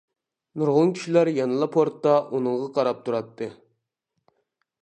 نۇرغۇن كىشىلەر يەنىلا پورتتا ئۇنىڭغا قاراپ تۇراتتى.